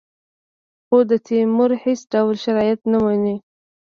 خو د تیمور هېڅ ډول شرایط نه مني.